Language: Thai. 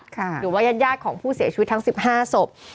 หรือว่ายาดของผู้เสียชีวิตทั้ง๑๕ศพ